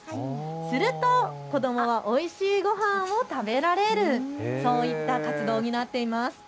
すると子どもをおいしいごはんを食べられる、そういった活動になっています。